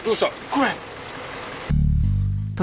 これ！